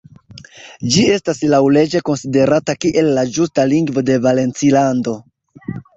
Ĝi estas laŭleĝe konsiderata kiel la ĝusta lingvo de Valencilando.